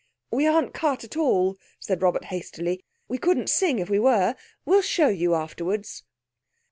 "We aren't cut at all," said Robert hastily. "We couldn't sing if we were. We'll show you afterwards."